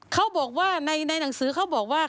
เขาบอกว่าในหนังสือเขาบอกว่า